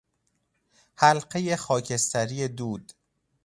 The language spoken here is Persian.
حلقهی خاکستری دود